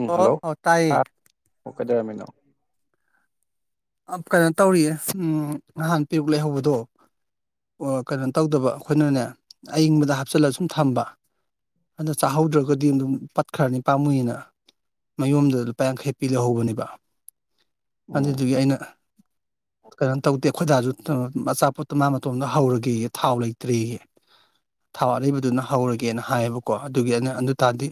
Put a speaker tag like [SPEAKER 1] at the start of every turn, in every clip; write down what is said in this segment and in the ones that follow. [SPEAKER 1] ꯎꯝ
[SPEAKER 2] ꯑꯣ
[SPEAKER 1] ꯍꯜꯂꯣ
[SPEAKER 2] ꯑꯣ
[SPEAKER 1] ꯑ
[SPEAKER 2] ꯇꯥꯏꯌꯦ
[SPEAKER 1] ꯑꯣ ꯀꯩꯗꯧꯔꯝꯃꯤꯅꯣ
[SPEAKER 2] ꯀꯩꯅꯣ ꯇꯧꯔꯤꯌꯦ ꯎꯝ ꯅꯍꯥꯟ ꯄꯤꯔꯨꯛ ꯂꯩꯍꯧꯕꯗꯣ ꯀꯩꯅꯣ ꯇꯧꯗꯕ ꯑꯩꯈꯣꯏꯅꯅꯦ ꯑꯌꯪꯕꯗ ꯍꯥꯞꯆꯜꯂ ꯁꯨꯝ ꯊꯝꯕ ꯑꯗꯨꯗ ꯆꯥꯍꯧꯗ꯭ꯔꯒꯗꯤ ꯑꯗꯨꯝ ꯄꯠꯈ꯭ꯔꯅꯤ ꯄꯥꯝꯃꯨꯏꯌꯦꯅ ꯃꯌꯨꯝꯗ ꯂꯨꯄꯥ ꯌꯥꯡꯈꯩ ꯄꯤ ꯂꯩꯍꯧꯕꯅꯦꯕ ꯑꯗꯨꯗꯨꯒꯤ ꯑꯩꯅ
[SPEAKER 1] [inaudible]
[SPEAKER 2] ꯀꯩꯅꯣ ꯇꯧꯗꯦ ꯑꯩꯈꯣꯏꯗꯥꯁꯨ ꯑꯆꯥꯄꯣꯠꯇꯣ ꯃꯥ ꯃꯇꯣꯝꯗ ꯍꯧꯔꯒꯦꯒ ꯊꯥꯎ ꯂꯩꯇ꯭ꯔꯦꯒ ꯊꯥꯎ ꯑꯔꯩꯕꯗꯨꯅ ꯍꯧꯔꯒꯦꯅ ꯍꯥꯏꯌꯦꯕꯀꯣ ꯑꯗꯨꯒꯤ ꯑꯩꯅ ꯑꯗꯨꯇꯔꯗꯤ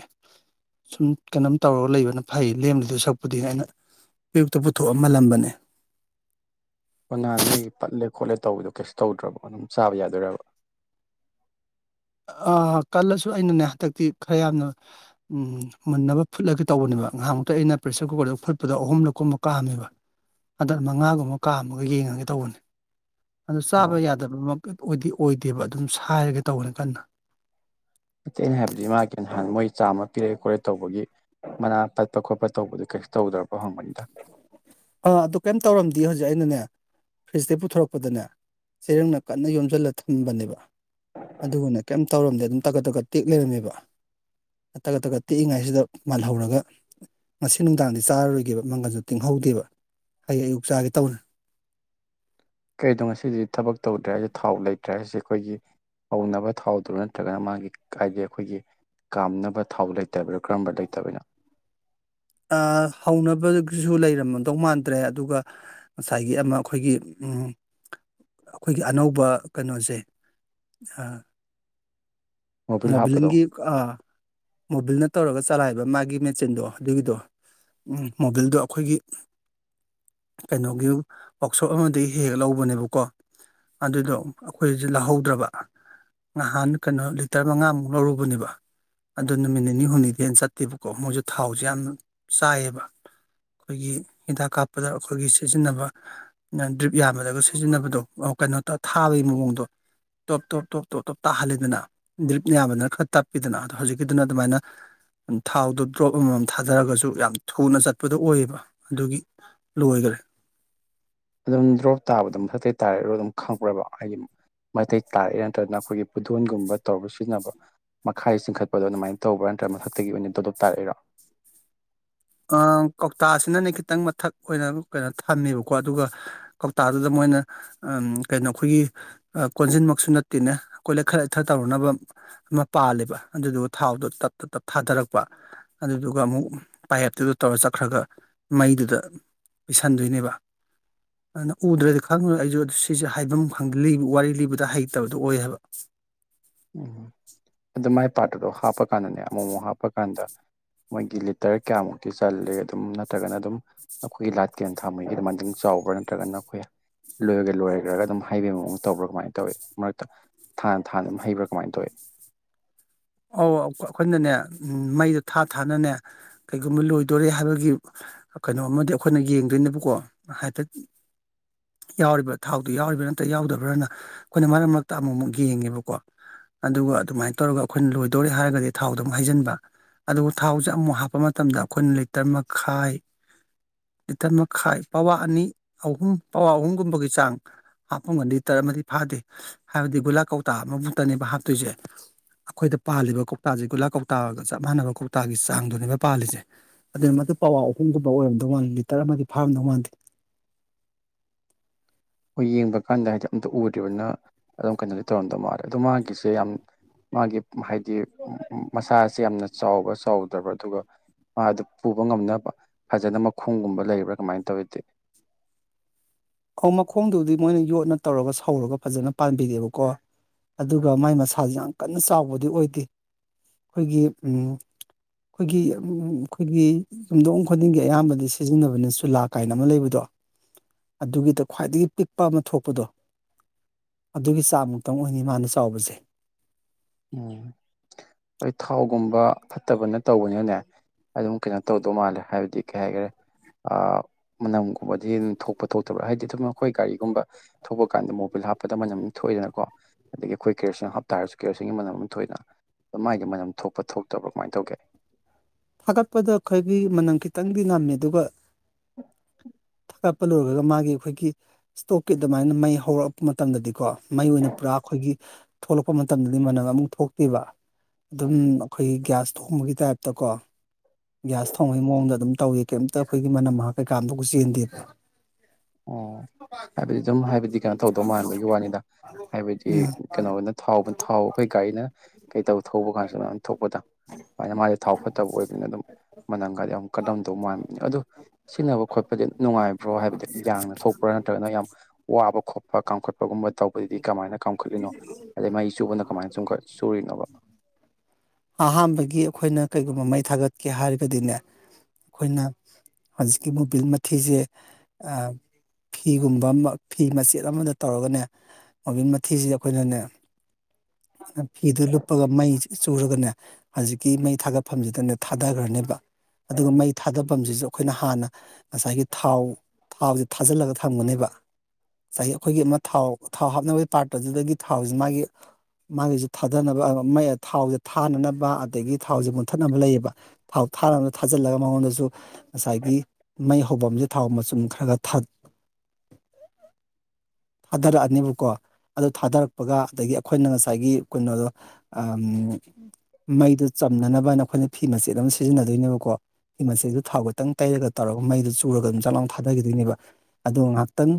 [SPEAKER 2] ꯁꯨꯝ ꯀꯩꯅꯣꯝ ꯇꯧꯔꯒ ꯂꯩꯕꯅ ꯐꯩ ꯂꯦꯝꯂꯤꯗꯨ ꯁꯛꯄꯨꯗꯤ ꯑꯩꯅ ꯑꯌꯨꯛꯇ ꯄꯨꯊꯣꯛꯑ ꯃꯜꯂꯝꯕꯅꯦ
[SPEAKER 1] ꯑꯣꯅꯥ ꯅꯣꯏꯒꯤ ꯄꯠꯂꯦ ꯈꯣꯠꯂꯦ ꯇꯧꯕꯗꯣ ꯀꯩꯁꯨ ꯇꯧꯗ꯭ꯔꯕꯣ ꯑꯗꯨꯝ ꯆꯥꯕ ꯌꯥꯗꯣꯏꯕ
[SPEAKER 2] ꯑꯥ ꯀꯜꯂꯁꯨ ꯑꯩꯅꯅꯦ ꯍꯟꯗꯛꯇꯤ ꯈꯔ ꯌꯥꯝꯅ ꯎꯝ ꯃꯨꯟꯅꯕ ꯐꯨꯠꯂꯒꯦ ꯇꯧꯕꯅꯦꯕ ꯉꯥꯏꯍꯃꯨꯛꯇ ꯑꯩꯅ ꯄ꯭ꯔꯦꯁꯔ ꯀꯨꯀꯔꯗ ꯐꯨꯠꯗꯣ ꯑꯍꯨꯝ ꯂꯛ ꯀꯨꯝꯕ ꯀꯥꯑꯝꯃꯦꯕ ꯍꯟꯗꯠ ꯃꯉꯥꯒꯨꯝꯕ ꯀꯥꯝ ꯑꯃꯒ ꯌꯦꯡꯉꯒꯦ ꯇꯧꯕꯅꯤ ꯑꯗꯨ
[SPEAKER 1] ꯑꯣ
[SPEAKER 2] ꯆꯥꯕ ꯌꯥꯗꯕ ꯑꯣꯏꯗꯤ ꯑꯣꯏꯗꯦꯕ ꯑꯗꯨꯝ ꯁꯥꯏꯔꯒꯦ ꯇꯧꯅꯤ ꯀꯟꯅ
[SPEAKER 1] ꯑꯇꯩꯅ ꯍꯥꯏꯕꯗꯤ ꯃꯥꯒꯤ ꯅꯥꯟ ꯃꯣꯏ ꯆꯥꯝꯃ ꯄꯤꯔꯛꯦ ꯈꯣꯠꯂꯦ ꯇꯧꯕꯒꯤ ꯃꯅꯥ ꯄꯠꯄ ꯈꯣꯠꯄ ꯇꯧꯕꯗꯨ ꯀꯩꯁꯨ ꯇꯧꯗ꯭ꯔꯄ ꯍꯪꯕꯅꯤꯗ
[SPEAKER 2] ꯑꯥ ꯑꯗꯨ ꯀꯩꯝ ꯇꯧꯔꯝꯗꯦ ꯍꯧꯖꯤꯛ ꯑꯩꯅꯅꯦ ꯐ꯭ꯔꯤꯁꯇ ꯄꯨꯊꯣꯔꯛꯄꯗꯅꯦ ꯆꯦꯔꯡꯅ ꯀꯟꯅ ꯌꯣꯝꯁꯤꯜꯂ ꯊꯝꯕꯅꯦꯕ ꯑꯗꯨꯒꯅ ꯀꯩꯝ ꯇꯧꯔꯝꯗꯦ ꯑꯗꯨꯝ ꯇꯛꯀꯠ ꯇꯀꯠ ꯇꯦꯛ ꯂꯩꯔꯝꯃꯦꯕ ꯇꯛ ꯇꯀꯛ ꯇꯦꯛꯏꯉꯥꯏꯁꯤꯗ ꯃꯥꯜꯍꯧꯔꯒ ꯉꯁꯤ ꯅꯨꯡꯗꯥꯡꯗꯤ ꯆꯥꯔꯔꯣꯏꯒꯦꯕ ꯃꯪꯒꯜꯁꯨ ꯇꯤꯡꯍꯧꯗꯦꯕ ꯑꯩ ꯑꯌꯨꯛ ꯆꯥꯒꯦ ꯇꯧꯅꯤ
[SPEAKER 1] ꯀꯩꯗꯣ ꯉꯁꯤꯗꯤ ꯊꯕꯛ ꯇꯧꯗ꯭ꯔꯦ ꯍꯥꯏꯁꯦ ꯊꯥꯎ ꯂꯩꯇ꯭ꯔꯦ ꯍꯥꯏꯁꯦ ꯑꯩꯈꯣꯏꯒꯤ ꯍꯧꯅꯕ ꯊꯥꯎꯗꯨ ꯅꯠꯇ꯭ꯔꯒꯅ ꯃꯥꯒꯤ ꯍꯥꯏꯗꯤ ꯑꯩꯈꯣꯏꯒꯤ ꯀꯥꯝꯅꯕ ꯊꯥꯎ ꯂꯩꯇꯕꯅꯣ ꯀꯔꯝꯕ ꯂꯩꯇꯕꯅꯣ
[SPEAKER 2] ꯑ ꯍꯧꯅꯕꯒꯤꯁꯨ ꯂꯩꯔꯝꯃꯗꯧ ꯃꯥꯟꯗ꯭ꯔꯦ ꯑꯗꯨꯒ ꯉꯁꯥꯏꯒꯤ ꯑꯃ ꯑꯩꯈꯣꯏꯒꯤ ꯎꯝ ꯑꯩꯈꯣꯏꯒꯤ ꯑꯅꯧꯕ ꯀꯩꯅꯣꯁꯦ ꯑ
[SPEAKER 1] ꯃꯣꯕꯤꯜ ꯍꯥꯞꯄꯗꯣ
[SPEAKER 2] ꯃꯣꯕꯤꯜꯒꯤ ꯑ ꯃꯣꯕꯤꯜꯅ ꯇꯧꯔꯒ ꯆꯂꯥꯏꯕ ꯃꯥꯒꯤ ꯃꯦꯆꯤꯟꯗꯣ ꯑꯗꯨꯒꯤꯗꯣ ꯃꯣꯕꯤꯜꯗꯣ ꯑꯩꯈꯣꯏꯒꯤ ꯀꯩꯅꯣꯒꯤ ꯋꯥꯛꯁꯣꯞ ꯑꯃꯗꯒꯤ ꯍꯦꯍꯛ ꯂꯧꯕꯅꯦꯕꯀꯣ ꯑꯗꯨꯗꯣ ꯑꯩꯈꯣꯏꯁꯦ ꯂꯧꯍꯧꯗ꯭ꯔꯕ ꯅꯍꯥꯟ ꯀꯩꯅꯣ ꯂꯤꯇꯔ ꯃꯉꯥꯃꯨꯛ ꯂꯧꯔꯨꯕꯅꯦꯕ ꯑꯗꯨ ꯅꯨꯃꯤꯠ ꯅꯤꯅꯤ ꯍꯨꯝꯅꯤꯗꯩ ꯍꯦꯟ ꯆꯠꯇꯦꯕꯀꯣ ꯃꯣꯏꯁꯨ ꯊꯥꯎꯁꯦ ꯌꯥꯝ ꯆꯥꯏꯌꯦꯕ ꯑꯩꯈꯣꯏꯒꯤ ꯍꯤꯗꯥꯛ ꯀꯥꯞꯄꯗ ꯑꯩꯈꯣꯏꯒꯤ ꯁꯤꯖꯤꯟꯅꯕ ꯗ꯭ꯔꯤꯞ ꯌꯥꯝꯕꯗꯒ ꯁꯤꯖꯤꯟꯅꯕꯗꯣ ꯀꯩꯅꯣ ꯇ ꯊꯥꯕꯒꯤ ꯃꯑꯣꯡꯗꯣ ꯇꯣꯞ ꯇꯣꯞ ꯇꯣꯞ ꯇꯣꯞ ꯇꯣꯞ ꯇꯥꯍꯜꯂꯤꯗꯅ ꯗ꯭ꯔꯤꯞ ꯑꯌꯥꯝꯕꯗꯅ ꯈꯔ ꯇꯞꯄꯤꯗꯅ ꯑꯗꯣ ꯍꯧꯖꯤꯛꯀꯤꯗꯨꯅ ꯑꯗꯨꯃꯥꯏꯅ ꯊꯥꯎꯗꯣ ꯗ꯭ꯔꯣꯞ ꯑꯃꯃꯝ ꯊꯥꯗꯔꯒꯁꯨ ꯌꯥꯝ ꯊꯨꯅ ꯆꯠꯄꯗꯣ ꯑꯣꯏꯌꯦꯕ ꯑꯗꯨꯒꯤ ꯂꯣꯏꯈꯔꯦ
[SPEAKER 1] ꯑꯗꯨꯝ ꯗ꯭ꯔꯣꯞ ꯇꯥꯕꯗꯣ ꯗꯨꯝ ꯃꯊꯛꯇꯩ ꯇꯥꯏꯔꯣ ꯑꯗꯨꯝ ꯈꯪꯕ꯭ꯔꯕ ꯍꯥꯏꯗꯤ ꯃꯩꯇꯩ ꯇꯥꯔꯛꯑꯦ ꯅꯠꯇ꯭ꯔꯒꯅ ꯑꯩꯈꯣꯏꯒꯤ ꯄꯨꯇꯣꯟꯒꯨꯝꯕ ꯇꯧꯔ ꯁꯤꯖꯤꯟꯅꯕ ꯃꯈꯥꯏ ꯆꯤꯡꯈꯠꯄꯗꯣ ꯑꯗꯨꯃꯥꯏꯅ ꯇꯧꯕ꯭ꯔꯥ ꯅꯠꯇ꯭ꯔ ꯃꯊꯛꯇꯒꯤ ꯑꯣꯏꯅ ꯗꯣꯞ ꯗꯣꯞ ꯇꯥꯔꯛꯏꯔꯣ
[SPEAKER 2] ꯑ ꯀꯧꯇꯥꯁꯤꯅꯅꯦ ꯈꯤꯇꯪ ꯃꯊꯛ ꯑꯣꯏꯅ ꯀꯩꯅꯣ ꯊꯝꯃꯦꯕꯀꯣ ꯑꯗꯨꯒ ꯀꯧꯇꯥꯗꯨꯗ ꯃꯣꯏꯅ ꯑꯝ ꯀꯩꯅꯣ ꯑꯩꯈꯣꯏꯒꯤ ꯀꯣꯟꯁꯤꯟꯃꯛꯁꯨ ꯅꯠꯇꯦꯅꯦ ꯈꯣꯏꯗ ꯈꯔ ꯂꯩꯊꯔ ꯇꯧꯔꯨꯅꯕ ꯑꯃ ꯄꯥꯂꯦꯕ ꯑꯗꯨꯗꯨꯒ ꯊꯥꯎꯗꯣ ꯇꯛꯇ ꯇꯛ ꯊꯥꯗꯔꯛꯄ ꯑꯗꯨꯗꯨꯒ ꯑꯃꯨꯛ ꯄꯥꯏꯌꯦꯞꯇꯨꯗ ꯇꯧꯔ ꯆꯠꯈ꯭ꯔꯒ ꯃꯩꯗꯨꯗ ꯄꯤꯁꯟꯗꯣꯏꯅꯦꯕ꯫
[SPEAKER 1] [inaudible]
[SPEAKER 2] ꯑꯗꯨꯅ ꯎꯗ꯭ꯔꯗꯤ ꯈꯪꯉꯣꯏ ꯑꯩꯁꯨ ꯑꯗꯨ ꯁꯤꯁꯦ ꯍꯥꯏꯐꯝ ꯈꯪꯗ ꯂꯤ ꯋꯥꯔꯤ ꯂꯤꯕꯗ ꯍꯩꯇꯕꯗꯣ ꯑꯣꯏ ꯍꯥꯏꯕ꯫
[SPEAKER 1] ꯎꯝ ꯑꯗꯨ ꯃꯥꯏ ꯄꯥꯔꯠꯇꯨꯗꯣ ꯍꯥꯞꯄꯀꯥꯟꯗꯅꯦ ꯑꯃꯨꯛ ꯃꯨꯛ ꯍꯥꯞꯄ ꯀꯥꯟꯗ ꯃꯣꯏꯒꯤ ꯂꯤꯇꯔ ꯀꯌꯥꯃꯨꯛꯇꯤ ꯆꯜꯂꯦ ꯑꯗꯨꯝ ꯅꯠꯇ꯭ꯔꯒꯅ ꯑꯗꯨꯝ ꯑꯩꯈꯣꯏꯒꯤ ꯂꯥꯇꯦꯟ ꯊꯥꯃꯩꯒꯤ ꯑꯗꯨꯃꯥꯏꯟꯗꯪ ꯆꯥꯎꯕ꯭ꯔꯥ ꯅꯠꯇ꯭ꯔꯒꯅ ꯑꯩꯈꯣꯏ ꯂꯣꯏꯒꯤ ꯂꯣꯏꯔꯈ꯭ꯔꯒ ꯑꯗꯨꯝ ꯍꯥꯏꯕꯩ ꯃꯑꯣꯡꯗ ꯇꯧꯕ꯭ꯔꯥ ꯀꯃꯥꯏꯅ ꯇꯧꯋꯤ ꯃꯔꯛꯇ ꯊꯥꯟ ꯊꯥꯟꯅ ꯑꯗꯨꯝ ꯍꯩꯕ꯭ꯔꯥ ꯀꯃꯥꯏ ꯇꯧꯏ꯫
[SPEAKER 2] ꯑꯧ ꯑꯈꯣ-ꯑꯈꯣꯏꯅꯅꯦ ꯎꯝ ꯃꯩꯗꯣ ꯊꯥ ꯊꯥꯅꯅꯦ ꯀꯩꯒꯨꯝꯕ ꯂꯣꯏꯗꯣꯔꯦ ꯍꯥꯏꯕꯒꯤ ꯀꯩꯅꯣ ꯑꯃꯗꯤ ꯑꯩꯈꯣꯏꯅ ꯌꯦꯡꯗꯣꯏꯅꯦꯕꯀꯣ ꯍꯥꯏꯐꯦꯠ ꯌꯥꯎꯔꯤꯕ꯭ꯔꯥ ꯊꯥꯎꯗꯣ ꯌꯥꯎꯔꯤꯕ꯭ꯔꯥ ꯅꯠꯇ꯭ꯔ ꯌꯥꯎꯗꯕ꯭ꯔꯅ ꯑꯩꯈꯣꯏꯅ ꯃꯔꯛ ꯃꯔꯛꯇ ꯑꯃꯨꯛ ꯑꯃꯨꯛ ꯌꯦꯡꯉꯦꯕꯀꯣ꯫ ꯑꯗꯨꯒ ꯑꯗꯨꯃꯥꯏꯅ ꯇꯧꯔꯒ ꯑꯩꯈꯣꯏꯅ ꯂꯣꯏꯗꯧꯔꯦ ꯍꯥꯏꯔꯒꯗꯤ ꯊꯥꯎꯗꯨ ꯑꯃꯨꯛ ꯍꯩꯖꯤꯟꯕ꯫ ꯑꯗꯨꯒ ꯊꯥꯎꯁꯦ ꯑꯃꯨꯃꯨꯛ ꯍꯥꯞꯄ ꯃꯇꯝꯗ ꯑꯩꯈꯣꯏꯅ ꯂꯤꯇꯔ ꯃꯈꯥꯏ ꯂꯤꯇꯔ ꯃꯈꯥꯏ ꯄꯋꯥ ꯑꯅꯤ ꯑꯍꯨꯝ ꯄꯋꯥ ꯑꯍꯨꯝꯒꯨꯝꯕꯒꯤ ꯆꯥꯡ ꯍꯥꯞꯄꯝꯒꯅꯤ ꯂꯤꯇꯔ ꯑꯃꯗꯤ ꯐꯥꯗꯦ ꯍꯥꯏꯕꯗꯤ ꯒꯨꯂꯥ ꯀꯧꯇꯥ ꯑꯃꯃꯨꯛꯇꯅꯦꯕ ꯍꯥꯞꯇꯣꯏꯁꯦ꯫ ꯑꯩꯈꯣꯏꯗ ꯄꯥꯜꯂꯤꯕ ꯀꯧꯇꯥꯁꯦ ꯒꯨꯂꯥ ꯀꯧꯇꯥꯒ ꯆꯞ ꯃꯥꯟꯅꯕ ꯀꯧꯇꯥꯒꯤ ꯆꯥꯡꯗꯨꯅꯦꯕ ꯄꯥꯜꯂꯤꯁꯦ꯫ ꯑꯗꯨꯅ ꯃꯗꯨ ꯄꯋꯥ ꯑꯍꯨꯝꯒꯨꯝꯕ ꯑꯣꯏꯔꯝꯗꯧ ꯃꯥꯥꯜꯂꯤ ꯂꯤꯇꯔ ꯑꯃꯗꯤ ꯐꯥꯔꯝꯗꯧ ꯃꯥꯟꯗꯦ꯫
[SPEAKER 1] ꯍꯣꯏ ꯌꯦꯡꯕ ꯀꯥꯟꯗ ꯍꯥꯏꯗꯤ ꯑꯝꯇ ꯎꯗ꯭ꯔꯤꯕꯅꯤꯅ ꯑꯗꯨꯝ ꯀꯩꯅꯣꯗꯤ ꯇꯧꯔꯝꯗꯧ ꯃꯥꯜꯂꯦ ꯑꯗꯣ ꯃꯥꯒꯤꯁꯦ ꯌꯥꯝ ꯃꯥꯒꯤ ꯍꯥꯏꯗꯤ ꯃ-ꯃꯁꯥꯁꯦ ꯌꯥꯝꯅ ꯆꯥꯎꯕ ꯆꯥꯎꯗ꯭ꯔꯕꯥ ꯑꯗꯨꯒ ꯃꯥꯗꯨ ꯄꯨꯕ ꯉꯝꯅꯕ ꯐꯖꯅ ꯃꯈꯣꯡꯒꯨꯝꯕ ꯂꯩꯕ꯭ꯔꯥ ꯀꯃꯥꯏꯅ ꯇꯧꯋꯤ ꯗꯨꯗꯤ꯫
[SPEAKER 2] ꯑꯧ ꯃꯈꯣꯡꯗꯨꯕꯨꯗꯤ ꯃꯣꯏꯅ ꯌꯣꯠꯅ ꯇꯧꯔꯒ ꯁꯧꯔꯒ ꯐꯖꯅ ꯄꯥꯟꯕꯤꯔꯦꯕꯀꯣ꯫ ꯑꯗꯨꯒ ꯃꯥꯏ ꯃꯁꯥꯁꯦ ꯌꯥꯝ ꯀꯟꯅ ꯆꯥꯎꯕꯗꯤ ꯑꯣꯏꯗꯦ ꯑꯩꯈꯣꯏꯒꯤ ꯎꯝ ꯑꯩꯈꯣꯏꯒꯤ ꯎꯝ ꯑꯩꯈꯣꯏꯒꯤ ꯌꯨꯝꯊꯣꯡ ꯈꯨꯗꯤꯡꯒꯤ ꯑꯌꯥꯝꯕꯗꯤ ꯁꯤꯖꯤꯟꯅꯕꯅꯦ ꯆꯨꯂꯥ ꯀꯥꯏꯅ ꯑꯃ ꯂꯩꯕꯗꯣ꯫ ꯑꯗꯨꯒꯤꯗ ꯈ꯭ꯋꯥꯏꯗꯒꯤ ꯄꯤꯛꯄ ꯑꯃ ꯊꯣꯛꯄꯗꯣ꯫ ꯑꯗꯨꯒꯤ ꯆꯥꯡ ꯃꯨꯛꯇꯪ ꯑꯣꯏꯅꯤ ꯃꯥꯅ ꯆꯥꯎꯕꯁꯦ꯫
[SPEAKER 1] ꯎꯝ ꯍꯣꯏ ꯊꯥꯎꯒꯨꯝꯕ ꯐꯠꯇꯕꯅ ꯇꯧꯕꯅꯤꯅꯅꯦ ꯑꯗꯨꯝ ꯀꯩꯅꯣ ꯇꯧꯗꯧ ꯃꯥꯜꯂꯦ ꯍꯥꯏꯕꯗꯤ ꯀꯩ ꯍꯥꯏꯒ꯭ꯔꯦ ꯑꯥ ꯃꯅꯝꯒꯨꯝꯕꯗꯤ ꯑꯗꯨꯝ ꯊꯣꯛꯄ ꯊꯣꯛꯇꯕ꯭ꯔꯥ ꯍꯥꯏꯗꯤ ꯑꯗꯨꯝ ꯑꯩꯈꯣꯏ ꯒꯥꯔꯤꯒꯨꯝꯕ ꯊꯧꯕ ꯀꯥꯟꯗ ꯃꯣꯕꯤꯜ ꯍꯥꯞꯄꯗ ꯃꯅꯝ ꯊꯣꯛꯏꯗꯅꯀꯣ ꯑꯗꯒꯤ ꯑꯩꯈꯣꯏ ꯀꯦꯔꯣꯁꯤꯟ ꯍꯥꯞꯇꯥꯔꯁꯨ ꯀꯦꯔꯣꯁꯤꯟ ꯒꯤ ꯃꯅꯝ ꯑꯃ ꯊꯣꯛꯏꯅ ꯑꯗꯨ ꯃꯥꯏꯗꯤ ꯃꯅꯝ ꯊꯣꯛꯄ ꯊꯣꯛꯇꯕ꯭ꯔꯥ ꯀꯃꯥꯏꯅ ꯇꯧꯒꯦ꯫
[SPEAKER 2] ꯊꯥꯒꯠꯄꯗ ꯑꯈꯣꯏꯒꯤ ꯃꯅꯝ ꯈꯤꯇꯪꯗꯤ ꯅꯝꯃꯦ ꯑꯗꯨꯒ
[SPEAKER 1] [inaudible]
[SPEAKER 2] ꯊꯥꯒꯠꯄ ꯂꯣꯏꯒ꯭ꯔꯒ ꯃꯥꯒꯤ ꯑꯩꯈꯣꯏꯒꯤ ꯁ꯭ꯇꯣꯚꯀꯤ ꯑꯗꯨꯃꯥꯏꯅ ꯃꯩ ꯍꯧꯔꯛꯄ ꯃꯇꯝꯗꯗꯤꯀꯣ ꯃꯩ ꯑꯣꯏꯅ ꯄꯨꯔꯥ ꯑꯈꯣꯏꯒꯤ ꯊꯣꯛꯂꯛꯄ ꯃꯇꯝꯗꯗꯤ ꯃꯅꯝ ꯑꯃꯨꯛ ꯊꯣꯛꯇꯦꯕ ꯑꯗꯨꯝ ꯑꯈꯣꯏꯒꯤ ꯒ꯭ꯌꯥꯁ ꯊꯣꯡꯕꯒꯤ ꯇꯥꯏꯞꯇꯀꯣ ꯒ꯭ꯌꯥꯁ ꯊꯣꯡꯕꯩ ꯃꯑꯣꯡꯗ ꯑꯗꯨꯝ ꯇꯧꯏ ꯀꯩꯝꯇ ꯑꯩꯈꯣꯏꯒꯤ ꯃꯅꯝ ꯃꯍꯥ ꯀꯩꯀꯥ [unintelligible] ꯆꯦꯟꯗꯦꯕ꯫
[SPEAKER 1] ꯑꯣ ꯍꯥꯏꯕꯗꯤ ꯑꯗꯨꯝ ꯍꯥꯏꯕꯗꯤ ꯀꯩꯅꯣ ꯇꯧꯗꯧ ꯃꯥꯟꯕꯒꯤ ꯋꯥꯅꯤꯗ ꯍꯥꯏꯕꯗꯤ
[SPEAKER 2] ꯎꯝ
[SPEAKER 1] ꯀꯩꯅꯣ ꯅꯠ ꯊꯥꯎꯕ ꯊꯥꯎ ꯑꯩꯈꯣꯏ ꯒꯥꯔꯤꯅ ꯀꯩ ꯇꯧ ꯊꯧꯕ ꯀꯥꯟꯁꯨ ꯃꯌꯥꯝ ꯊꯣꯛꯄꯗꯣ ꯑꯗꯨꯃꯥꯏꯅ ꯃꯥꯁꯨ ꯊꯥꯎ ꯐꯠ ꯇꯕ ꯑꯣꯏꯕꯅꯤꯅ ꯑꯗꯨꯝ ꯃꯅꯝꯒꯗꯤ ꯌꯥꯝ ꯀꯂꯝꯗꯧ ꯃꯥꯟꯕꯅꯤ ꯑꯗꯨ ꯁꯤꯖꯤꯟꯅꯕ ꯈꯣꯠꯄꯗꯤ [unintelligible] ꯅꯨꯡꯉꯥꯏꯕ꯭ꯔꯣ ꯍꯥꯏꯕꯗꯤ ꯌꯥꯡꯅ ꯊꯣꯛꯄ꯭ꯔꯥ ꯅꯠꯇ꯭ꯔꯒꯅ ꯌꯥꯝ ꯋꯥꯕ ꯈꯣꯠꯄ ꯀꯥꯝꯈꯠ ꯄꯒꯨꯝꯕ ꯇꯧꯕꯗꯗꯤ ꯀꯃꯥꯏꯅ ꯀꯥꯝꯈꯠꯂꯤꯅꯣ ꯑꯗꯩ ꯃꯩ ꯆꯨꯕꯅ ꯀꯃꯥꯏꯅ ꯆꯨꯝꯈꯠ ꯆꯨꯔꯤꯅꯣꯕ꯫
[SPEAKER 2] ꯑꯍꯥꯟꯕꯒꯤ ꯑꯩꯈꯣꯏꯅ ꯀꯩꯒꯨꯝꯕ ꯃꯩ ꯊꯥꯒꯠꯀꯦ ꯍꯥꯏꯔꯒꯗꯤꯅꯦ ꯑꯈꯣꯏꯅ ꯍꯧꯖꯤꯛꯀꯤ ꯃꯣꯕꯤꯜ ꯃꯊꯤꯁꯦ ꯑ ꯐꯤꯒꯨꯝꯕ ꯑꯃ ꯐꯤ ꯃꯆꯦꯠ ꯑꯃꯗ ꯇꯧꯔꯒꯅꯦ ꯃꯣꯕꯤꯜ ꯃꯊꯤꯁꯤ ꯑꯩꯈꯣꯏꯅꯅꯦ ꯐꯤꯗ ꯂꯨꯞꯄꯒ ꯃꯩ ꯆꯨꯔꯒꯅꯦ ꯍꯧꯖꯤꯛꯀꯤ ꯃꯩ ꯊꯥꯒꯠꯐꯝꯁꯤꯗꯅꯦ ꯊꯥꯗꯒ꯭ꯔꯅꯦꯕ ꯑꯗꯨꯒ ꯃꯩ ꯊꯥꯗꯐꯝꯁꯤꯁꯨ ꯑꯩꯈꯣꯏꯅ ꯍꯥꯟꯅ ꯉꯁꯥꯏꯒꯤ ꯊꯥꯎ ꯊꯥꯎꯁꯦ ꯊꯥꯖꯤꯜꯂꯒ ꯊꯝꯒꯅꯤꯕ ꯉꯁꯥꯏꯒꯤ ꯑꯩꯈꯣꯏꯒꯤ ꯑꯃ ꯊꯥꯎ ꯊꯥꯎ ꯍꯥꯞꯅꯕꯒꯤ ꯄꯥꯔꯇꯗꯨꯗꯒꯤ ꯊꯥꯎꯁꯤ ꯃꯥꯒꯤ ꯃꯥꯒꯤꯁꯨ ꯊꯥꯗꯅꯕ ꯃꯥꯏ ꯊꯥꯎꯁꯦ ꯊꯥꯅꯅꯕ ꯑꯗꯒꯤ ꯊꯥꯎꯁꯦ ꯃꯨꯟꯊꯠꯅꯕ ꯂꯩꯌꯦꯕ ꯊꯥꯥꯎ ꯊꯥꯅꯕꯗ ꯊꯥꯖꯤꯜꯂꯒ ꯃꯉꯣꯟꯗꯁꯨ ꯉꯁꯥꯏꯒꯤ ꯃꯩ ꯍꯧꯕꯝꯁꯦ ꯊꯥꯎ ꯃꯆꯨꯝ ꯈꯔ ꯈꯔ ꯊꯥ
[SPEAKER 1] [inaudible]
[SPEAKER 2] ꯊꯥꯗꯔꯛꯑ ꯅꯦꯕꯀꯣ ꯑꯗꯨ ꯊꯥꯗꯔꯛꯄꯒ ꯑꯗꯒꯤ ꯑꯩꯈꯣꯏꯅ ꯉꯁꯥꯏꯒꯤ ꯀꯩꯅꯣꯗꯣ ꯑꯥ ꯎꯝ ꯃꯩꯗꯨ ꯆꯝꯅꯅꯕ ꯍꯥꯏꯅ ꯑꯩꯈꯣꯏꯅ ꯐꯤ ꯃꯆꯦꯠ ꯑꯃ ꯁꯤꯖꯤꯟꯅꯗꯣꯏꯅꯦꯕꯀꯣ ꯐꯤ ꯃꯆꯦꯗꯨ ꯊꯥꯎ ꯈꯤꯇꯪ ꯇꯩꯔꯒ ꯇꯧꯔꯒ ꯃꯩꯗꯨ ꯆꯨꯔꯒ ꯑꯗꯨꯝ ꯆꯥꯛꯂꯥꯎꯅ ꯊꯥꯗꯈꯤꯗꯣꯏꯅꯦꯕ ꯑꯗꯨ ꯉꯍꯥꯛꯇꯪ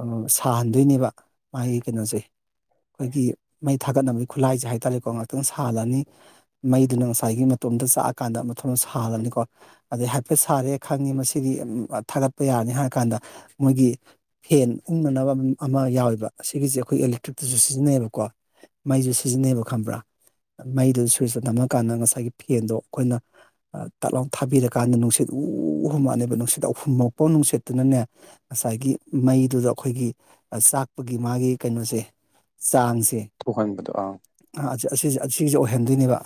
[SPEAKER 2] ꯑꯥ ꯁꯥꯍꯟꯗꯣꯏꯅꯦꯕ ꯃꯥꯒꯤ ꯀꯩꯅꯣꯁꯦ ꯑꯩꯈꯣꯏꯒꯤ ꯃꯩ ꯊꯥꯒꯠꯅꯕꯒꯤ ꯈꯨꯠꯂꯥꯏꯁꯦ ꯍꯥꯏꯇꯥꯔꯦꯀꯣ ꯉꯍꯥꯛꯇꯪ ꯁꯥꯍꯜꯂꯅꯤ ꯃꯩꯗꯨꯅ ꯉꯁꯥꯏꯒꯤ ꯃꯇꯣꯝꯗ ꯆꯥꯛꯑꯀꯥꯟꯗ ꯃꯊꯟꯗ ꯁꯥꯔꯅꯤꯀꯣ ꯑꯗꯩ ꯍꯥꯏꯐꯦꯠ ꯁꯥꯔꯦ ꯈꯪꯉꯤ ꯃꯁꯤꯗꯤ ꯊꯥꯒꯠꯄ ꯌꯥꯅꯤ ꯍꯥꯏꯔ ꯀꯥꯟꯗ ꯃꯣꯏꯒꯤ ꯐꯦꯟ ꯎꯪꯅꯅꯕ ꯑꯃ ꯌꯥꯎꯋꯦꯕ ꯑꯁꯤꯒꯤꯁꯦ ꯑꯩꯈꯣꯏ ꯏꯂꯦꯛꯇ꯭ꯔꯤꯛꯇꯁꯨ ꯁꯤꯖꯤꯟꯅꯩꯌꯦꯕꯀꯣ ꯃꯩꯁꯨ ꯁꯤꯖꯤꯟꯅꯩꯕ ꯈꯪꯕ꯭ꯔꯥ ꯃꯩꯗꯨ ꯁ꯭ꯋꯔꯤꯁꯇꯣ ꯅꯝꯃ ꯀꯥꯟꯗ ꯉꯁꯥꯏꯒꯤ ꯐꯦꯟꯗꯣ ꯑꯩꯈꯣꯏꯅ ꯇꯛꯂꯥꯎ ꯊꯥꯕꯤꯔꯀꯥꯟꯗ ꯅꯨꯡꯁꯤꯠ ꯎ ꯎ ꯍꯨꯝꯃꯛꯑꯅꯦꯕ ꯅꯨꯡꯁꯤꯠ ꯑꯍꯨꯝꯃꯛꯄꯥ ꯅꯨꯡꯁꯤꯠꯇꯨꯅꯅꯦ ꯉꯁꯥꯏꯒꯤ ꯃꯩꯗꯨꯗ ꯑꯈꯣꯏꯒꯤ ꯆꯥꯛ ꯒꯤ ꯃꯥꯒꯤ ꯀꯩꯅꯣꯁꯦ ꯆꯥꯡꯁꯦ
[SPEAKER 1] ꯊꯣꯛꯍꯟꯕꯗꯣ ꯑꯥ
[SPEAKER 2] ꯑꯁ ꯑꯁꯤꯁꯦ ꯑꯁꯤꯖꯦ ꯑꯣꯏꯍꯟꯗꯣꯏꯅꯦꯕ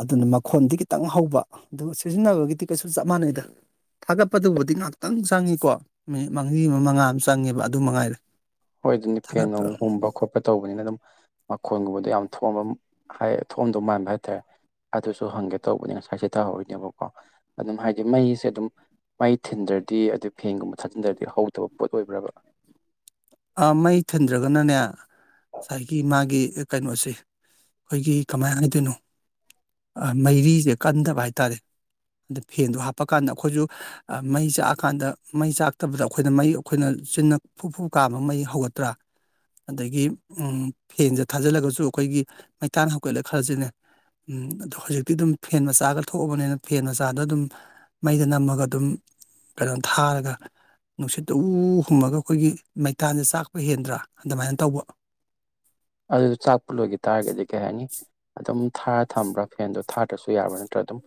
[SPEAKER 2] ꯑꯗꯨꯅ ꯃꯈꯣꯟꯗꯤ ꯈꯤꯇꯪ ꯍꯧꯕ ꯑꯗꯨꯝ ꯁꯤꯖꯤꯟꯅꯕꯒꯤꯗꯤ ꯀꯩꯁꯨ ꯆꯞ ꯃꯥꯟꯅꯩꯗ ꯊꯥꯒꯠꯄꯗꯨꯕꯨꯗꯤ ꯉꯥꯛꯇꯪ ꯆꯪꯉꯤꯀꯣ ꯃꯤꯅꯤꯠ ꯃꯔꯤ ꯑꯃ ꯃꯉꯥ ꯑꯃ ꯆꯪꯉꯦꯕ ꯑꯗꯨ ꯃꯉꯥꯏꯔꯦ
[SPEAKER 1] ꯍꯣꯏ ꯑꯗꯨꯅꯤ ꯐꯦꯟ
[SPEAKER 2] ꯊꯥꯒꯠꯄ
[SPEAKER 1] ꯅꯨꯡ ꯍꯨꯝꯕ ꯈꯣꯠꯄ ꯇꯧꯕꯅꯤꯅ ꯑꯗꯨꯝ ꯃꯈꯣꯟꯒꯨꯝꯕꯗꯨ ꯌꯥꯝ ꯊꯣꯡꯑꯝꯕ ꯍꯥꯏ ꯊꯣꯛꯑꯝꯗꯧ ꯃꯥꯟꯕ ꯍꯥꯏꯇꯥꯔꯦ ꯑꯗꯨꯁꯨ ꯍꯪꯒꯦ ꯇꯧꯕꯅꯦ ꯉꯁꯥꯏ ꯆꯤꯊꯍꯧꯔꯤꯅꯦꯕꯀꯣ ꯑꯗꯨꯝ ꯍꯥꯏꯗꯤ ꯃꯩꯁꯦ ꯑꯗꯨꯝ ꯃꯩ ꯊꯤꯟꯗ꯭ꯔꯗꯤ ꯑꯗꯩ ꯐꯦꯟꯒꯨꯝꯕ ꯊꯥꯖꯤꯟꯗ꯭ꯔꯗꯤ ꯍꯧꯗꯕ ꯄꯣꯠ ꯑꯣꯏꯕ꯭ꯔꯕ
[SPEAKER 2] ꯑꯥ ꯃꯩ ꯊꯤꯟꯗ꯭ꯔꯒꯅꯅꯦ ꯉꯁꯥꯏꯒꯤ ꯃꯥꯒꯤ ꯀꯩꯅꯣꯁꯤ ꯑꯩꯈꯣꯏꯒꯤ ꯀꯃꯥꯏ ꯍꯥꯏꯗꯣꯏꯅꯣ ꯃꯩꯔꯤꯁꯦ ꯀꯟꯗꯕ ꯍꯥꯏꯇꯥꯔꯦ ꯑꯗꯨ ꯐꯦꯟꯗꯨ ꯍꯥꯞꯄꯀꯥꯟꯗ ꯑꯈꯣꯏꯁꯨ ꯑꯥ ꯃꯩ ꯆꯥꯛꯑꯀꯥꯟꯗ ꯃꯩ ꯆꯥꯛꯇꯕꯗꯣ ꯑꯩꯈꯣꯏꯅ ꯃꯩ ꯑꯩꯈꯣꯏꯅ ꯆꯤꯟꯅ ꯐꯨꯐꯨ ꯀꯥꯝꯃ ꯃꯩ ꯍꯧꯒꯠꯇ꯭ꯔꯥ ꯑꯗꯒꯤ ꯎꯝ ꯐꯦꯟꯖꯦ ꯊꯥꯖꯤꯜꯂꯒꯖꯨ ꯑꯈꯣꯏꯒꯤ ꯃꯩꯇꯥꯟ ꯍꯧꯒꯠꯂꯦ ꯈꯜꯂꯖꯤꯅꯦ ꯎꯝ ꯑꯗꯣ ꯍꯧꯖꯤꯛꯇꯤ ꯑꯗꯨꯝ ꯐꯦꯟ ꯃꯆꯥꯒ ꯊꯣꯛꯑꯕꯅꯤꯅ ꯐꯦꯟ ꯃꯆꯥꯗꯣ ꯑꯗꯨꯝ ꯃꯩꯗ ꯅꯝꯃꯒ ꯑꯗꯨꯝ ꯀꯩꯅꯣ ꯊꯥꯔꯒ ꯅꯨꯡꯁꯤꯠꯇ ꯎ ꯎ ꯍꯨꯝꯃꯒ ꯈꯣꯏꯒꯤ ꯃꯩꯇꯥꯟꯖꯦ ꯆꯥꯛꯄ ꯍꯦꯟꯗ꯭ꯔꯥ ꯑꯗꯃꯥꯏꯅ ꯇꯧꯕ
[SPEAKER 1] ꯑꯗꯨꯖꯨ ꯆꯥꯛꯄ ꯂꯣꯏꯒꯤ ꯇꯥꯔꯒꯗꯤ ꯀꯩ ꯍꯥꯏꯅꯤ ꯑꯗꯨꯝ ꯊꯥꯔ ꯊꯝꯕ꯭ꯔꯥ ꯐꯦꯟꯗꯣ ꯊꯥꯗ꯭ꯔꯁꯨ ꯌꯥꯕ꯭ꯔ ꯅꯠꯇ꯭ꯔ ꯑꯗꯨꯝ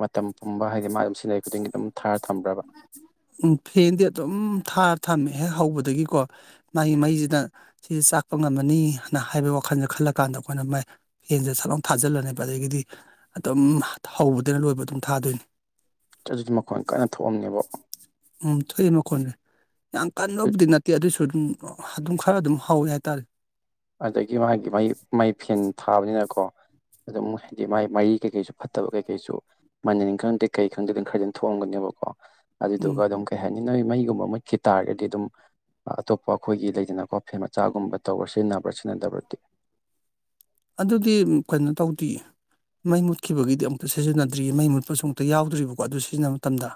[SPEAKER 1] ꯃꯇꯝ ꯄꯨꯝꯕ ꯍꯥꯏꯗꯤ ꯃꯥ ꯗꯨꯝ ꯁꯤꯖꯤꯟꯅꯔꯤ ꯈꯨꯗꯤꯡꯒꯤ ꯑꯗꯨꯝ ꯊꯥꯔ ꯊꯝꯕ꯭ꯔꯕ
[SPEAKER 2] ꯎꯝ ꯐꯦꯟꯗꯤ ꯑꯗꯨꯝ ꯊꯥꯔ ꯊꯝꯃꯦ ꯍꯦꯛ ꯍꯧꯕꯗꯒꯤꯀꯣ ꯃꯥꯒꯤ ꯃꯩꯖꯤꯅ ꯁꯤꯖꯦ ꯆꯥꯛꯄ ꯉꯝꯃꯅꯤꯅ ꯍꯥꯏꯕ ꯋꯥꯈꯟꯖꯦ ꯈꯜꯂꯀꯥꯟꯗ ꯑꯈꯣꯏꯅ ꯃꯥꯏ ꯐꯦꯟꯖꯦ ꯁꯠ ꯂꯥꯎ ꯊꯥꯖꯤꯜꯂꯅꯦꯕ ꯑꯗꯒꯤꯗꯤ ꯑꯗꯨꯝ ꯍꯧꯕꯗꯩꯅ ꯂꯣꯏꯕ ꯑꯗꯨꯝ ꯊꯥꯗꯣꯏꯅꯤ
[SPEAKER 1] ꯑꯗꯨꯗꯤ ꯃꯈꯣꯟ ꯀꯟꯅ ꯊꯣꯛꯑꯝꯅꯦꯕꯣ
[SPEAKER 2] ꯎꯝ ꯊꯣꯛꯑꯦ ꯃꯈꯣꯟꯖꯦ ꯌꯥꯝ ꯀꯟꯕꯕꯨꯗꯤ ꯅꯠꯇꯦ ꯑꯗꯨꯏꯁꯨ ꯑꯗꯨꯝ ꯑꯗꯨꯝ ꯈꯔ ꯑꯗꯨꯝ ꯍꯧꯋꯦ ꯍꯥꯏꯇꯥꯔꯦ
[SPEAKER 1] ꯑꯗꯒꯤ ꯃꯥꯒꯤ ꯃꯥꯒꯤ ꯃꯩ ꯐꯦꯟ ꯊꯥꯕꯅꯤꯅꯀꯣ ꯑꯗꯨꯝ ꯍꯥꯏꯗꯤ ꯃꯥꯏ ꯃꯥꯏꯒꯤ ꯀꯩꯀꯩꯁꯨ ꯐꯠꯇꯕ ꯀꯩꯀꯩꯁꯨ ꯃꯅꯤꯟ ꯈꯪꯗꯦ ꯀꯩ ꯈꯪꯗꯦ ꯑꯗꯨꯝ ꯈꯔꯗꯤꯝ ꯊꯣꯛꯑꯝꯒꯅꯦꯕꯀꯣ ꯑꯗꯨꯗꯨꯒ
[SPEAKER 2] ꯎꯝ
[SPEAKER 1] ꯑꯗꯨꯝ ꯀꯩ ꯍꯥꯏꯅꯤ ꯅꯣꯏ ꯃꯩꯒꯨꯝꯕ ꯃꯨꯠꯈꯤ ꯇꯥꯔꯒꯗꯤ ꯑꯗꯨꯝ ꯑꯇꯣꯞꯄ ꯑꯈꯣꯏꯒꯤ ꯂꯩꯗꯅꯀꯣ ꯐꯦꯟ ꯃꯆꯥꯒꯨꯝꯕ ꯇꯧꯔ ꯁꯤꯖꯤꯟꯅꯕ꯭ꯔꯥ ꯁꯤꯖꯤꯟꯅꯗꯕ꯭ꯔꯗꯤ
[SPEAKER 2] ꯑꯗꯨꯗꯤ ꯎꯝ ꯀꯩꯅꯣ ꯇꯧꯗꯤꯌꯦ ꯃꯩ ꯃꯨꯠꯈꯤꯕꯒꯤꯗꯤ ꯑꯃꯨꯛꯇ ꯁꯤꯖꯤꯟꯅꯗ꯭ꯔꯤ ꯃꯩ ꯃꯨꯠꯄꯁꯨ ꯑꯃꯨꯛꯇ ꯌꯥꯎꯗ꯭ꯔꯤꯕꯀꯣ ꯑꯗꯨ ꯁꯤꯖꯤꯟꯅꯕ ꯃꯇꯝꯗꯥ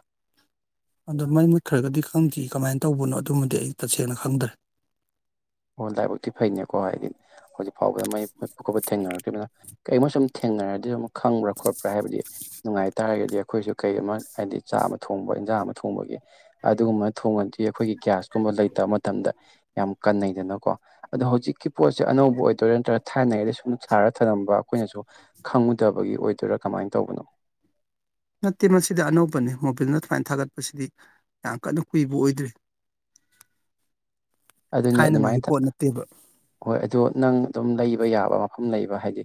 [SPEAKER 2] ꯑꯗꯣ ꯃꯩ ꯃꯨꯠꯈ꯭ꯔꯒꯗꯤ ꯈꯪꯗ꯭ꯔꯤ ꯀꯃꯥꯏꯅ ꯇꯧꯕꯅꯣ ꯑꯗꯨꯃꯗꯤ ꯑꯩ ꯇꯁꯦꯡꯅ ꯈꯪꯗ꯭ꯔꯦ
[SPEAKER 1] ꯑꯣ ꯂꯥꯏꯕꯛꯇꯤ ꯐꯩꯅꯦꯀꯣ ꯍꯥꯏꯗꯤ ꯍꯧꯖꯤꯛ ꯐꯥꯎꯕꯗ ꯃꯩ ꯃꯨꯠꯄ ꯈꯣꯠꯄ ꯊꯦꯡꯅꯔꯛꯇ꯭ꯔꯤꯝꯅꯤꯅ ꯀꯩꯃ ꯁꯨꯝ ꯊꯦꯡꯅꯔꯗꯤ ꯗꯨꯝ ꯈꯪꯕ꯭ꯔ ꯈꯣꯠꯄ꯭ꯔ ꯍꯥꯏꯕꯗꯤ ꯅꯨꯡꯉꯥꯏꯇꯥꯥꯔꯒꯗꯤ ꯑꯈꯣꯏꯁꯨ ꯀꯩ ꯑꯃ ꯍꯥꯏꯗꯤ ꯆꯥ ꯑꯃ ꯊꯣꯡꯕ ꯏꯟꯖꯥꯡ ꯑꯃ ꯊꯣꯡꯕꯒꯤ ꯑꯗꯨꯒꯨꯝꯕꯅ ꯊꯣꯡꯉꯗꯤ ꯑꯈꯣꯏꯒꯤ ꯒ꯭ꯌꯥꯁ ꯀꯨꯝꯕ ꯂꯩꯇꯕ ꯃꯇꯝꯗ ꯌꯥꯝ ꯀꯟꯅꯩ ꯗꯅꯀꯣ ꯑꯗꯣ ꯍꯧꯖꯤꯛꯀꯤ ꯄꯣꯠꯁꯦ ꯑꯅꯧꯕ ꯑꯣꯏꯗꯣꯏꯔ ꯅꯠꯇ꯭ꯔꯒ ꯊꯥꯏꯅꯉꯩꯗꯩ ꯁꯨꯝ ꯁꯥꯔ ꯊꯅꯝꯕ ꯑꯈꯣꯏꯅꯁꯨ ꯈꯪꯉꯨꯗꯕꯒꯤ ꯑꯣꯏꯗꯣꯏꯔꯥ ꯀꯃꯥꯏꯟ ꯇꯧꯕꯅꯣ
[SPEAKER 2] ꯅꯠꯇꯦ ꯃꯁꯤꯗꯤ ꯑꯅꯧꯕꯅꯤ ꯃꯣꯕꯤꯜꯅ ꯗꯨꯃꯥꯏꯅ ꯊꯥꯒꯠꯄꯁꯤꯗꯤ ꯌꯥꯝ ꯀꯟꯅ ꯀꯨꯏꯕ ꯑꯣꯏꯗ꯭ꯔꯤ
[SPEAKER 1] ꯑꯗꯨꯅꯦ ꯑꯗꯨꯃꯥꯏꯟ
[SPEAKER 2] ꯊꯥꯏꯅꯉꯩꯒꯤ
[SPEAKER 1] ꯇ
[SPEAKER 2] ꯄꯣꯠ ꯅꯠꯇꯦꯕ
[SPEAKER 1] ꯍꯣꯏ ꯑꯗꯣ ꯅꯪ ꯑꯗꯨꯝ ꯂꯩꯕ ꯌꯥꯕ ꯃꯐꯝ ꯂꯩꯕ ꯍꯥꯏꯗꯤ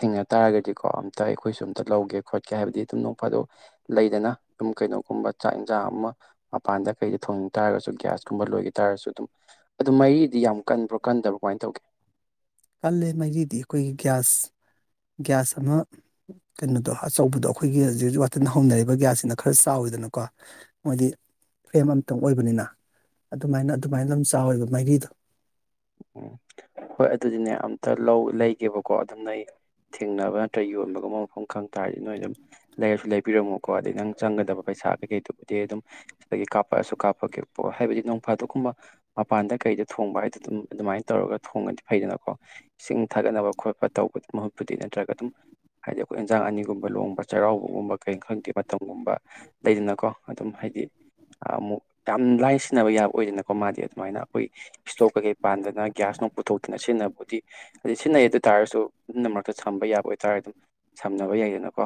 [SPEAKER 1] ꯊꯦꯡꯅ ꯇꯥꯔꯒꯗꯤꯀꯣ ꯑꯝꯇ ꯑꯩꯈꯣꯏꯁꯨ ꯑꯝꯇ ꯂꯧꯒꯦ ꯈꯣꯠꯀꯦ ꯍꯥꯏꯕꯗꯤ ꯑꯗꯨꯝ ꯅꯣꯡ ꯐꯥꯗꯣꯛ ꯂꯩꯗꯅꯥ ꯗꯨꯝ ꯀꯩꯅꯣꯒꯨꯝꯕ ꯆꯥꯛ ꯑꯦꯟꯖꯥꯡ ꯑꯃ ꯃꯄꯥꯟꯗ ꯀꯩꯗ ꯊꯣꯡꯅꯤꯡ ꯇꯥꯔꯒꯁꯨ ꯒ꯭ꯌꯥꯁꯀꯨꯝꯕ ꯂꯣꯏꯒꯤ ꯇꯔꯁꯨ ꯑꯗꯨꯝ ꯑꯗꯨ ꯃꯩꯔꯤꯗꯤ ꯌꯥꯝ ꯀꯟꯕ꯭ꯔꯣ ꯀꯟꯗꯕ꯭ꯔꯣ ꯀꯃꯥꯏꯅ ꯇꯧꯒꯦ
[SPEAKER 2] ꯀꯜꯂꯦ ꯃꯩꯔꯤꯗꯤ ꯑꯩꯈꯣꯏꯒꯤ ꯒ꯭ꯌꯥꯁ ꯒ꯭ꯌꯥꯁ ꯑꯃ ꯀꯩꯅꯣꯗꯣ ꯑꯆꯧꯕꯗꯣ ꯑꯈꯣꯏꯒꯤ ꯖꯤꯔꯤꯛ ꯋꯥꯇꯤꯟ ꯍꯧꯅꯔꯤꯕ ꯒ꯭ꯌꯥꯁꯁꯤꯅ ꯈꯔ ꯆꯥꯎꯋꯤꯗꯅꯀꯣ ꯃꯣꯏꯗꯤ ꯐ꯭ꯔꯦꯝ ꯑꯃꯇꯪ ꯑꯣꯏꯕꯅꯤꯅ ꯑꯗꯨꯃꯥꯏꯅ ꯑꯗꯨꯃꯥꯏꯅ ꯑꯗꯨꯝ ꯆꯥꯎꯋꯦꯕ ꯃꯩꯔꯤꯗꯣ
[SPEAKER 1] ꯎꯝ ꯍꯣꯏ ꯑꯗꯨꯗꯤꯅꯦ ꯑꯝꯇ ꯂꯧ ꯂꯩꯒꯦꯕꯀꯣ ꯑꯗꯨꯝ ꯅꯣꯏ ꯊꯦꯡꯅꯕ ꯅꯠꯇ꯭ꯔ ꯌꯣꯟꯕꯒꯨꯝꯕ ꯃꯐꯝ ꯈꯪ ꯇꯥꯔꯗꯤ ꯅꯣꯏ ꯑꯗꯨꯝ ꯂꯩꯔꯁꯨ ꯂꯩꯕꯤꯔꯝꯃꯣꯀꯣ ꯑꯗꯩ ꯅꯪ ꯆꯪꯒꯗꯕ ꯄꯩꯁꯥ ꯀꯩꯀꯩꯗꯨꯕꯨꯗꯤ ꯑꯗꯨꯝ ꯁꯤꯗꯒꯤ ꯀꯥꯞꯄꯛꯑꯁꯨ ꯀꯥꯞꯄꯛꯀꯦꯀꯣ ꯍꯥꯏꯕꯗꯤ ꯅꯣꯡꯐꯥꯗꯣꯛꯀꯨꯝꯕ ꯃꯄꯥꯟꯗ ꯀꯩꯗ ꯊꯣꯡꯕ ꯍꯥꯏꯗꯤ ꯑꯗꯨꯝ ꯑꯗꯨꯃꯥꯏꯟ ꯇꯧꯔꯒ ꯊꯣꯡꯉꯗꯤ ꯐꯩꯗꯅꯀꯣ ꯏꯁꯤꯡ ꯊꯥꯒꯠꯅꯕ ꯈꯣꯠꯄ ꯇꯧꯕꯒꯤ ꯃꯍꯨꯠꯄꯨꯗꯤ ꯅꯠꯇ꯭ꯔꯒ ꯑꯗꯨꯝ ꯍꯥꯏꯗꯤ ꯑꯈꯣꯏ ꯏꯟꯖꯥꯡ ꯑꯅꯤꯒꯨꯝꯕ ꯂꯣꯡꯕ ꯆꯩꯔꯥꯎꯕꯒꯨꯝꯕ ꯀꯔꯤ ꯈꯪꯗꯦ ꯃꯇꯝꯒꯨꯝꯕ ꯂꯩꯗꯅꯀꯣ ꯑꯗꯨꯝ ꯍꯥꯏꯗꯤ ꯑꯥꯃꯨꯛ ꯌꯥꯝ ꯂꯥꯏ ꯁꯤꯟꯅꯕ ꯌꯥꯕ ꯑꯣꯏꯗꯅꯀꯣ ꯃꯥꯗꯤ ꯑꯗꯨꯃꯥꯏꯅ ꯑꯈꯣꯏ ꯏꯁꯇꯣꯛ ꯀꯩꯀꯩ ꯄꯥꯟꯗꯅ ꯒ꯭ꯌꯥꯁ ꯅꯨꯡ ꯄꯨꯊꯣꯛꯇꯅ ꯁꯤꯟꯅꯕꯨꯗꯤ ꯁꯤꯟꯅꯩ ꯑꯗꯨꯇꯥꯥꯔꯁꯨ ꯑꯗꯨꯅ ꯃꯔꯛꯇ ꯁꯝꯕ ꯌꯥꯕ ꯑꯣꯏꯇꯥꯔ ꯁꯝꯅꯕ ꯌꯥꯏꯗꯅꯀꯣ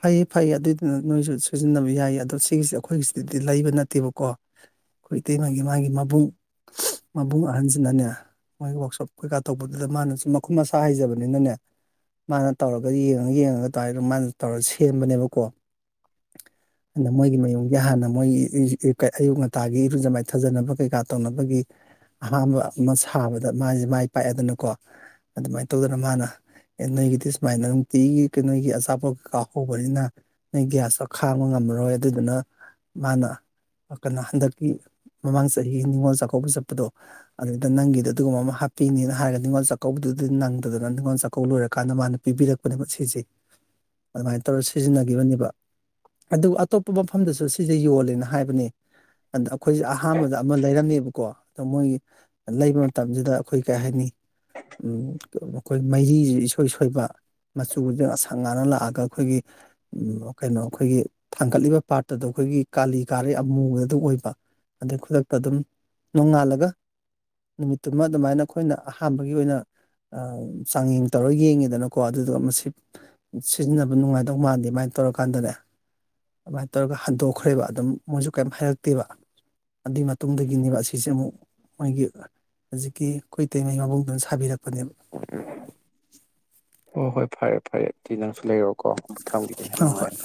[SPEAKER 2] ꯐꯩꯌꯦ ꯐꯩꯌꯦ ꯑꯗꯨꯏꯗꯨꯅ ꯅꯣꯏꯖꯨ ꯁꯤꯖꯤꯟꯅꯕ ꯌꯥꯏꯌꯦ ꯑꯗꯣ ꯁꯤꯒꯤꯖꯦ ꯑꯈꯣꯏꯒꯤꯖꯤꯗꯗꯤ ꯂꯩꯕ ꯅꯠꯇꯦꯕꯀꯣ ꯈꯣꯢ ꯏꯇꯩꯃꯒꯤ ꯃꯥꯒꯤ ꯃꯕꯨꯡ ꯎꯝꯁ ꯃꯕꯨꯡ ꯑꯍꯟꯖꯤꯅꯅꯦ ꯃꯥꯏ ꯋꯥꯛꯁꯣꯞ ꯀꯩꯀꯥ ꯇꯧꯕꯗꯨꯗ ꯃꯥꯅꯖꯨ ꯃꯈꯨꯠ ꯃꯁꯥ ꯍꯩꯖꯕꯅꯤꯅꯅꯦ ꯃꯥꯅ ꯇꯧꯔꯒ ꯌꯦꯡꯉ ꯌꯦꯡꯉꯒ ꯑꯗꯥꯢꯅ ꯎꯨꯝ ꯇꯧꯔꯒ ꯃꯥꯅ ꯁꯦꯝꯕꯅꯦꯕꯀꯣ [unintelligible] ꯑꯍꯥꯟꯕ ꯑꯃ ꯁꯥꯕꯗ ꯃꯥꯏꯁꯦ ꯃꯥꯏ ꯄꯥꯛꯑꯦꯗꯅꯀꯣ ꯑꯗꯨꯃꯥꯏꯅ ꯇꯧꯗꯅ ꯃꯥꯅ ꯑꯦ ꯅꯣꯏꯒꯤꯗꯤ ꯁꯨꯃꯥꯏꯅ ꯅꯨꯡꯇꯤꯒꯤ ꯀꯩꯅꯣꯒꯤ ꯑꯆꯥꯄꯣꯠ ꯀꯥꯀꯧꯕꯅꯤꯅ ꯅꯪ ꯒ꯭ꯌꯥꯁꯇꯣ ꯈꯥꯡꯕ ꯉꯝꯃꯔꯣꯏ ꯑꯗꯨꯗꯨꯅ ꯃꯥꯅ ꯑꯥ ꯀꯩꯅꯣ ꯍꯟꯗꯛꯀꯤ ꯃꯃꯥꯡ ꯆꯍꯤꯒꯤ ꯅꯤꯡꯉꯣꯜ ꯆꯥꯛꯀꯧꯕ ꯆꯠꯄꯗꯣ ꯑꯗꯨꯗ ꯅꯪꯒꯤꯗꯣ ꯑꯗꯨꯒꯨꯝꯕ ꯑꯃ ꯍꯥꯞꯄꯤꯅꯤꯅ ꯍꯥꯏꯔꯒ ꯅꯤꯡꯉꯣꯜ ꯆꯥꯛꯀꯧꯕꯗꯨꯗꯤ ꯅꯪꯗꯗꯅ ꯅꯤꯡꯉꯣꯜ ꯆꯥꯛꯀꯧꯕ ꯂꯣꯏꯔꯀꯥꯟꯗ ꯃꯥꯅ ꯄꯤꯕꯤꯔꯛꯄꯅꯦ ꯁꯤꯁꯦ ꯑꯗꯨꯃꯥꯏꯅ ꯇꯧꯔ ꯁꯤꯖꯤꯟꯅꯈꯤꯕꯅꯦꯕ ꯑꯗꯨ ꯑꯇꯣꯞꯄ ꯃꯐꯝꯗꯁꯨ ꯁꯤꯁꯦ ꯌꯣꯜꯂꯦꯅ ꯍꯥꯏꯕꯅꯦ ꯑꯗ ꯑꯩꯈꯣꯏꯁꯦ ꯑꯍꯥꯟꯕꯗ ꯑꯃ ꯂꯩꯔꯝꯃꯦꯕꯀꯣ ꯑꯗꯣ ꯃꯣꯏꯒꯤ ꯂꯩꯕ ꯃꯇꯝꯁꯤꯗ ꯑꯩꯈꯣꯏ ꯀꯩ ꯍꯥꯏꯅꯤ ꯑꯝ ꯑꯩꯈꯣꯏ ꯃꯩꯔꯤꯁꯤ ꯏꯁꯣꯏ ꯁꯣꯏꯕ ꯃꯆꯨꯁꯤꯅ ꯑꯁꯪ ꯉꯥꯡꯅ ꯂꯥꯛꯑꯒ ꯑꯈꯣꯏꯗꯤ ꯎꯝ ꯀꯩꯅꯣ ꯑꯩꯈꯣꯏꯒꯤ ꯊꯥꯡꯒꯠꯂꯤꯕ ꯄꯥꯠꯇꯗꯣ ꯑꯩꯈꯣꯏꯒꯤ ꯀꯥꯂꯤ ꯀꯥꯔꯦ ꯑꯃꯨꯕꯗꯣ ꯑꯗꯨ ꯑꯣꯏꯕ ꯑꯗꯩ ꯈꯨꯗꯛꯇ ꯑꯗꯨꯝ ꯅꯣꯡꯉꯥꯜꯂꯒ ꯅꯨꯃꯤꯠꯇꯨꯃ ꯑꯗꯨꯃꯥꯏꯅ ꯑꯩꯈꯣꯏꯅ ꯑꯍꯥꯟꯕꯒꯤ ꯑꯣꯏꯅ ꯑ ꯆꯥꯡꯌꯦꯡ ꯇꯧꯔ ꯌꯦꯡꯉꯤꯗꯅꯀꯣ ꯑꯗꯨꯗꯨ ꯑꯃ ꯁꯤ ꯁꯤꯖꯤꯟꯅꯕ ꯑꯗꯨ ꯅꯨꯡꯉꯥꯏꯗꯧ ꯃꯥꯟꯗꯦ ꯑꯗꯨꯥꯏꯅ ꯇꯧꯔꯀꯥꯟꯗꯅꯦ ꯑꯗꯨꯃꯥꯏꯅ ꯇꯧꯔꯒ ꯍꯟꯗꯣꯛꯈ꯭ꯔꯦꯕ ꯑꯗꯨꯝ ꯃꯣꯏꯁꯨ ꯀꯩꯝ ꯍꯥꯏꯔꯛꯇꯦꯕ ꯑꯗꯨꯏ ꯃꯇꯨꯡꯗꯒꯤꯅꯦꯕ ꯑꯁꯤꯁꯦ ꯑꯃꯨꯛ ꯃꯣꯏꯒꯤ ꯍꯧꯖꯤꯛꯀꯤ ꯑꯩꯈꯣꯏ ꯏꯇꯩꯩꯃ ꯃꯕꯨꯡꯗꯨꯅ ꯁꯥꯕꯤꯔꯛꯄꯅꯦꯕ
[SPEAKER 1] ꯍꯣ ꯍꯣꯏ ꯐꯔꯦ ꯐꯔꯦ ꯑꯗꯨꯗꯤ ꯅꯪꯁꯨ ꯂꯩꯔꯣꯀꯣ ꯊꯝꯈꯤꯒꯦ ꯌꯥꯝ
[SPEAKER 2] ꯍꯣꯏ ꯍꯣꯏ
[SPEAKER 1] ꯅꯨꯡꯉꯥꯏꯔꯦ